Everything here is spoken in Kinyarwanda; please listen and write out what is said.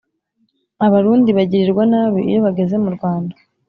abarundi bagirirwa nabi iyo bageze mu Rwanda